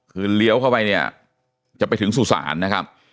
คือเลี้ยวเข้าไปเนี่ยจะไปถึงสุสานนะครับ